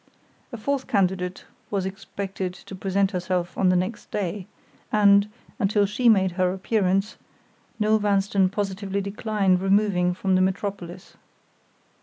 A fourth candidate was expected to present herself on the next day; and, until she made her appearance, Noel Vanstone positively declined removing from the metropolis.